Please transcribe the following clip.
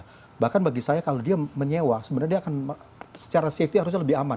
nah bahkan bagi saya kalau dia menyewa sebenarnya dia akan secara safety harusnya lebih aman